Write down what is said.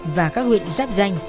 và các huyện giáp danh